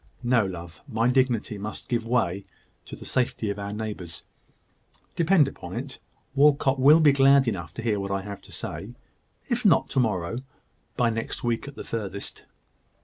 No, love; my dignity must give way to the safety of our neighbours. Depend upon it, Walcot will be glad enough to hear what I have to say if not to morrow, by next week at furthest."